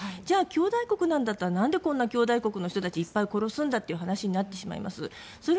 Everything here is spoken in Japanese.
じゃあ、兄弟国なんだったら何で兄弟国の人たちをいっぱい殺すんだという話になってしまいます。